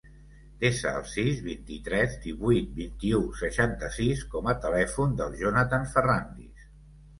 Desa el sis, vint-i-tres, divuit, vint-i-u, seixanta-sis com a telèfon del Jonathan Ferrandis.